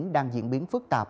đang diễn biến phức tạp